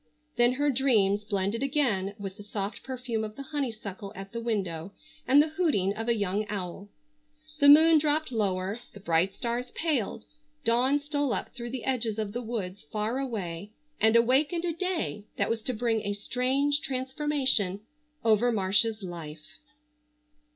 Then her dreams blended again with the soft perfume of the honeysuckle at the window, and the hooting of a young owl. The moon dropped lower, the bright stars paled, dawn stole up through the edges of the woods far away and awakened a day that was to bring a strange transformation over Marcia's life.